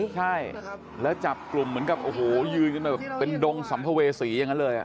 ใช่แล้วจับกลุ่มเหมือนกับโอ้โหยืนกันมาแบบเป็นดงสัมภเวษีอย่างนั้นเลย